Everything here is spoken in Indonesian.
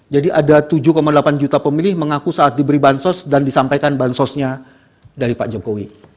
jadi ada tujuh delapan juta pemilih mengaku saat diberi bansos dan disampaikan bansosnya dari pak jokowi